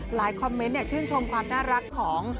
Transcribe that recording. หลายคอมเม้นต์เนี่ยชื่นชมความน่ารักของ